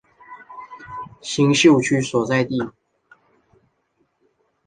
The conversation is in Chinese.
新宿区所在地。